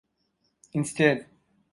Instead.